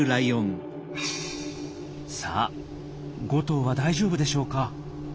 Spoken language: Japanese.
さあ５頭は大丈夫でしょうか？